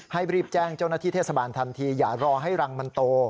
รีบแจ้งเจ้าหน้าที่เทศบาลทันทีอย่ารอให้รังมันโต